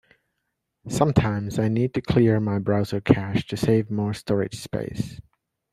Sometines, I need to clear my browser cache to save more storage space.